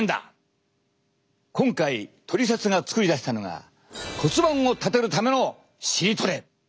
今回トリセツが作り出したのが骨盤を立てるための尻トレ！